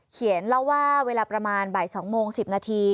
เล่าว่าเวลาประมาณบ่าย๒โมง๑๐นาที